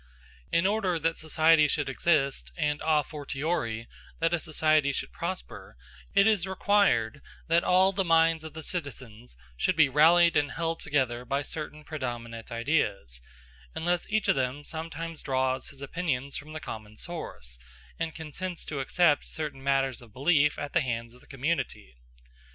In order that society should exist, and, a fortiori, that a society should prosper, it is required that all the minds of the citizens should be rallied and held together by certain predominant ideas; and this cannot be the case, unless each of them sometimes draws his opinions from the common source, and consents to accept certain matters of belief at the hands of the community.